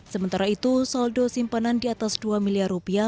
sementara itu saldo simpanan di atas dua miliar rupiah